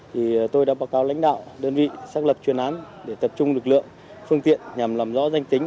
thì tôi đã báo cáo lãnh đạo đơn vị xác lập chuyên án để tập trung lực lượng phương tiện nhằm làm rõ danh tính